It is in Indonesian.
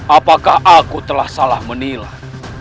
apakah aku telah salah menilai